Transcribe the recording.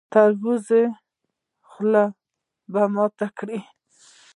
د تربور خوله به ماته کړي.